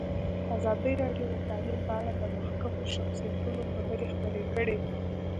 ازادي راډیو د تعلیم په اړه د مخکښو شخصیتونو خبرې خپرې کړي.